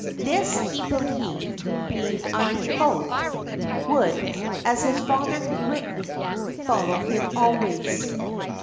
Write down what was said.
This he believed, being unrevoked, would, as his father had written, "follow him always."